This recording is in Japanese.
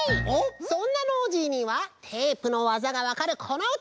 そんなノージーにはテープのわざがわかるこのうた！